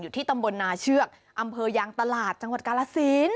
ที่ตำบลนาเชือกอำเภอยางตลาดจังหวัดกาลสิน